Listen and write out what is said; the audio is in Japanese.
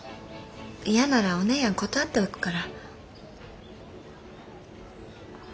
嫌ならお姉やん断っておくから。